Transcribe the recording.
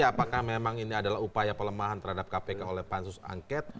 apakah memang ini adalah upaya pelemahan terhadap kpk oleh pansus angket